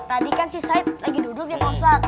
tadi kan si sait lagi duduk ya pak ustadz